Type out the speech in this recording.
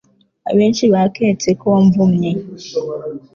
Abenshi baketse ko wamvumye